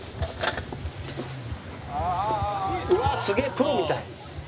うわあすげえプロみたい！